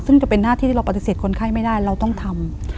ซึ่งจะเป็นหน้าที่ที่เราปฏิเสธคนไข้ไม่ได้เราต้องทำ